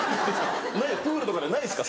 プールとかでないですか？